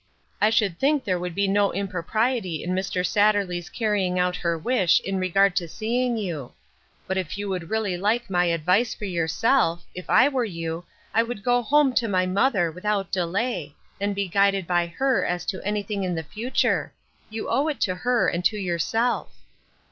I should think there could be no impro priety in Mr. Satterley's carrying out her wish in regard to seeing you ; but if you would really like my advice for yourself, if I were you, I would go 302 A WAITING WORKER. home to my mother, without delay, and be guided by her as to anything in the future ; you owe it to her, and to yourself."